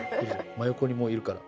真横にもういるから。